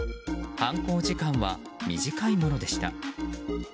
犯行時間は短いものでした。